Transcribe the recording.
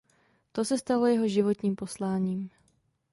To se stalo jeho životním posláním.